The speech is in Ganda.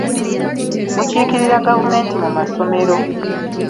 Mukiikirira gavumenti mu masomero.